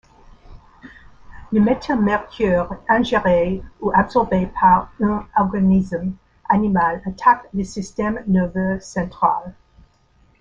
Le méthylmercure ingéré ou absorbé par un organisme animal attaque le système nerveux central.